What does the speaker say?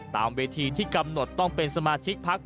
ตามเวทีที่กำหนดต้องเป็นสมาชิกพัก